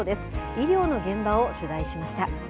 医療の現場を取材しました。